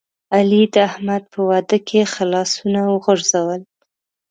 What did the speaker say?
علی د احمد په واده کې ښه لاسونه وغورځول.